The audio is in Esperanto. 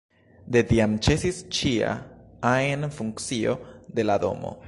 De tiam ĉesis ĉia ajn funkcio de la domo.